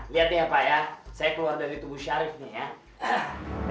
lihat nih ya pak ya saya keluar dari tubuh syarif nih ya